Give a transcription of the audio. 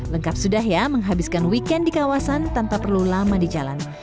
lengkap sudah ya menghabiskan weekend di kawasan tanpa perlu lama di jalan